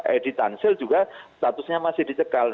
edi tansil juga statusnya masih dicekal